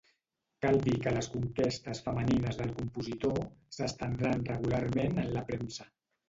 Cal dir que les conquestes femenines del compositor s'estendran regularment en la premsa.